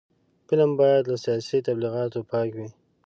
فلم باید له سیاسي تبلیغاتو پاک وي